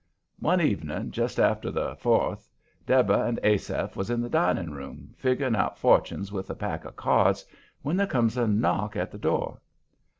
One evening, just after the Fourth, Deborah and Asaph was in the dining room, figgering out fortunes with a pack of cards, when there comes a knock at the door.